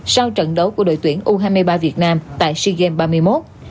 sau trận đấu của đội tuyển u hai mươi ba việt nam tại sea games ba mươi một